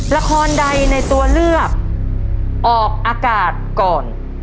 ละครใดในตัวเลือกออกอากาศก่อน